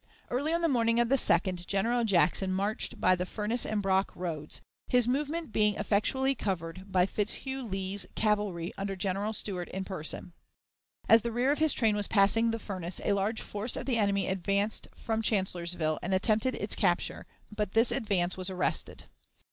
Early on the morning of the 2d General Jackson marched by the Furnace and Brock roads, his movement being effectually covered by Fitzhugh Lee's cavalry under General Stuart in person. As the rear of his train was passing the furnace a large force of the enemy advanced from Chancellorsville and attempted its capture, but this advance was arrested.